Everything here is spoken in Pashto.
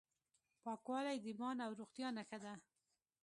پاکوالی د ایمان او روغتیا نښه ده.